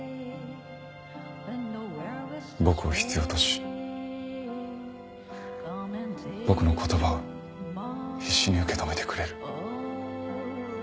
僕を必要とし僕の言葉を必死に受け止めてくれる。